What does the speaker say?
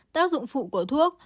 tác dụng phụ của thuốc